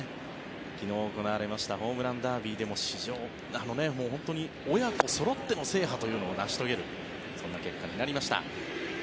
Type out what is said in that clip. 昨日、行われたホームランダービーでも本当に親子そろっての制覇というのを成し遂げるそんな結果になりました。